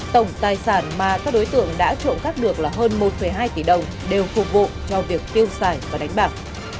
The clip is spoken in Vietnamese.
tổng tài sản mà các đối tượng đã trộn cắt được là hơn một hai tỷ đồng đều phục vụ cho việc tiêu sải và đánh bạc